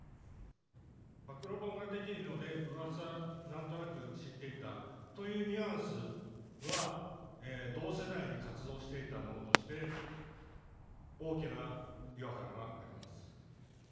暴露本が出ているので、うわさ、なんとなく知っていたというニュアンスは、同世代に活動していた者として、大きな違和感があります。